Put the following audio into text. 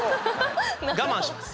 我慢します。